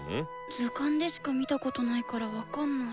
図鑑でしか見たことないから分かんない。